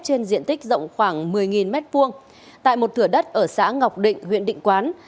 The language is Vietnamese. trên diện tích rộng khoảng một mươi m hai tại một thửa đất ở xã ngọc định huyện định quán